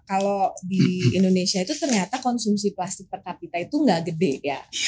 kalau di indonesia itu ternyata konsumsi plastik per kapita itu nggak gede ya